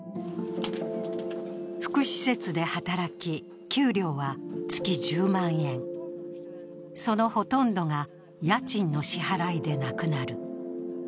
福祉施設で働き、給料は月１０万円そのほとんどが家賃の支払いでなくなる。